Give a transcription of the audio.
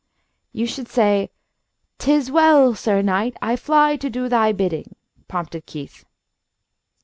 "You should say, ''Tis well, Sir Knight, I fly to do thy bidding,'" prompted Keith.